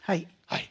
はい。